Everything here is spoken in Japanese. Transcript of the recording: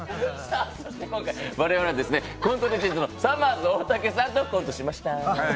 今回我々はコントのレジェンドさまぁず大竹さんとコントしました。